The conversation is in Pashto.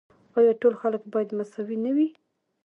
آیا ټول خلک باید مساوي نه وي؟